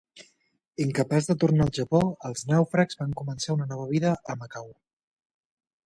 Incapaç de tornar al Japó, els nàufrags van començar una nova vida a Macau.